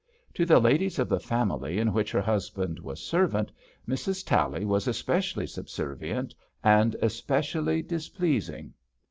To the ladies of the family in which her husband was servant, Mrs. Tally was especially subservient and especially displeas ing.